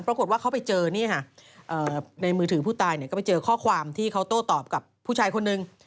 ปรากฏว่าเขาไปเจอในมือถือผู้ตายก็ไปเจอข้อความที่เขาโต้ตอบกับผู้ชายคนนึง